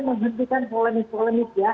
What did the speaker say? menghentikan polemik polemik ya